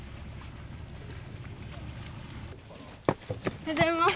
おはようございます。